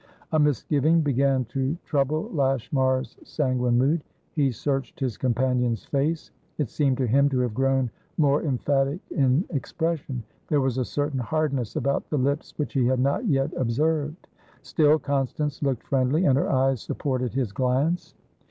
A misgiving began to trouble Lashmar's sanguine mood. He searched his companion's face; it seemed to him to have grown more emphatic in expression; there was a certain hardness about the lips which he had not yet observed. Still, Constance looked friendly, and her eyes supported his glance.